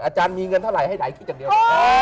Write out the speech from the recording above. อาจารย์มีเงินเท่าไหร่ให้ไหนคิดอย่างเดียว